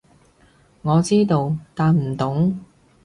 我知道，但唔懂